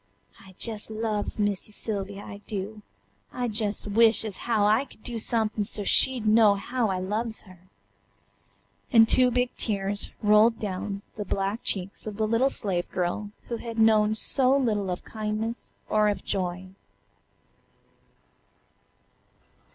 "I jes' loves Missy Sylvia, I do, I jes' wish ez how I could do somethin' so she'd know how I loves her," and two big tears rolled down the black cheeks of the little slave girl who had known so little of kindness or of joy.